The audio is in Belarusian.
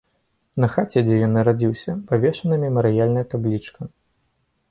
На хаце, дзе ён нарадзіўся, павешана мемарыяльная таблічка.